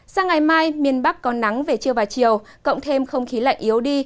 sang ngày mai miền bắc có nắng về trưa và chiều cộng thêm không khí lạnh yếu đi